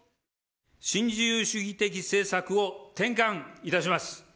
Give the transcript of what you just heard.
新自由主義的政策を転換いたします。